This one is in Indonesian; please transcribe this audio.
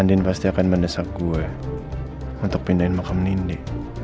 andin pasti akan mendesak gue untuk pindahin makam nindi